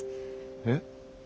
えっ？